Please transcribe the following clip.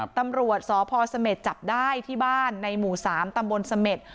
ตำรวจสพเสม็ดจับได้ที่บ้านในหมู่๓ตำบลเสม็ด